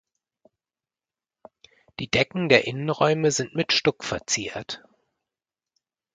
Die Decken der Innenräume sind mit Stuck verziert.